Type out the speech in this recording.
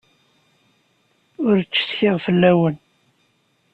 Ur ttcetkiɣ fell-awen.